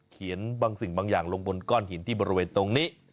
เขียนบางสิ่งบางอย่างลงบนก้อนหินที่บริเวณตรงนี้